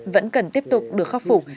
vẫn cần tiếp tục được khắc phục